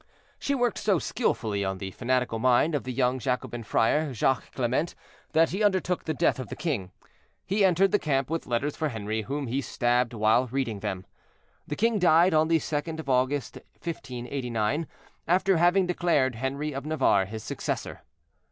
She worked so skillfully on the fanatical mind of the young Jacobin friar, Jacques Clement, that he undertook the death of the king. He entered the camp with letters for Henri, whom he stabbed while reading them. The king died on the 2d August, 1589, after having declared Henri of Navarre his successor.